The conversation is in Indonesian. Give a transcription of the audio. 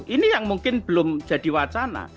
ini yang mungkin belum jadi wacana